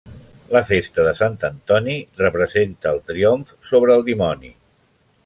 La festa de sant Antoni representa el triomf sobre el dimoni.